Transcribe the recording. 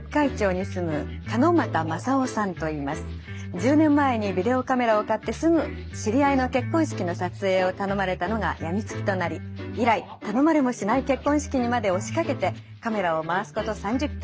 １０年前にビデオカメラを買ってすぐ知り合いの結婚式の撮影を頼まれたのが病みつきとなり以来頼まれもしない結婚式にまでおしかけてカメラを回すこと３０件。